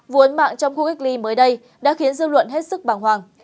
vụ ấn mạng trong khu kích ly mới đây đã khiến dư luận hết sức bàng hoàng